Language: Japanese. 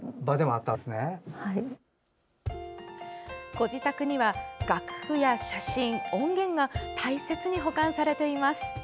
ご自宅には楽譜や写真、音源が大切に保管されています。